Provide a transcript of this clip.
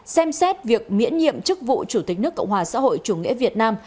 xem xét việc miễn nhiệm chức vụ chủ tịch nước cộng hòa xã hội chủ nghĩa việt nam